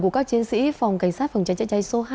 của các chiến sĩ phòng cảnh sát phòng cháy chữa cháy số hai